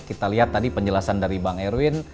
kita lihat tadi penjelasan dari bang erwin